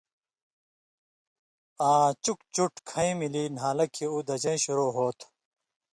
آں چُک چِٹھ کھَیں ملی نھالہ کھیں اُو دژَیں شروع ہوتُھو۔